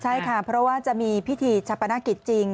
ใช่ค่ะเพราะว่าจะมีพิธีชะปนกิจจริง